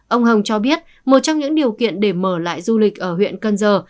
ông hồng cho biết một trong những điều kiện để mở lại du lịch ở huyện cần giờ